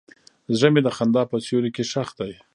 زړه مې د خندا په سیوري کې ښخ دی.